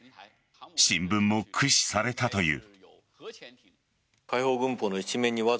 新聞も駆使されたという。